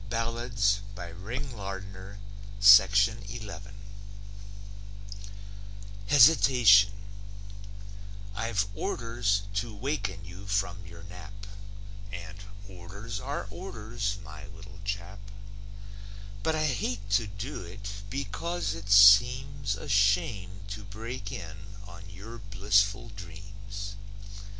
HESITATION I've orders to waken you from your nap, And orders are orders, my little chap. But I hate to do it, because it seems A shame to break in on your blissful dreams.